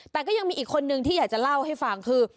แต่ก็ยังมีอีกคนนึงที่อยากจะเล่าให้ฟังคือ